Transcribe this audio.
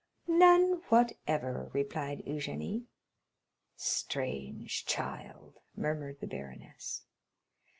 "None whatever," replied Eugénie. "Strange child," murmured the baroness.